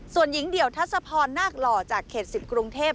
ส่วนหญิงเดี่ยวทัศพรนาคหล่อจากเขต๑๐กรุงเทพ